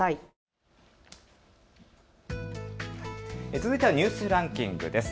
続いてはニュースランキングです。